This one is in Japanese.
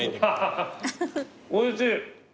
おいしい。